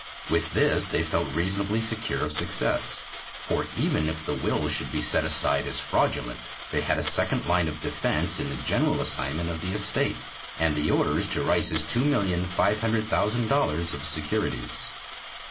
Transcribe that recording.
With this they felt reasonably secure of success. For even if the will should be set aside as fraudulent they had a second line of defense in the general assignment of the estate and the orders to Rice's two million five hundred thousand dollars of securities.